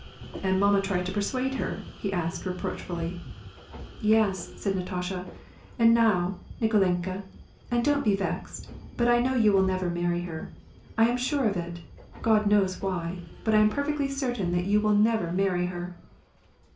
" And mamma tried to persuade her ?" he asked reproach fully. " Yes," said Natasha. " And now, Nikolenka — and don't he vexed — but I know you will never marry her. I am sure of it, God knows why, but I am perfectly certain that you will never marry her."